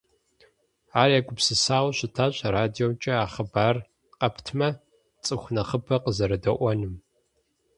Ар егупсысауэ щытащ радиомкӏэ а хъыбарыр къэптмэ, цӏыху нэхъыбэ къызэродэӏуэнум.